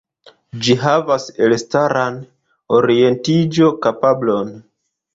Ĝi havas elstaran orientiĝo-kapablon.